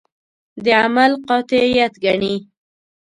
د عمل قاطعیت ګڼي.